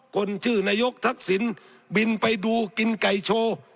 คนชื่อนายกทักษิณบินไปดูกินไก่โชว์